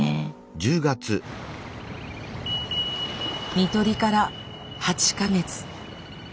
看取りから８か月。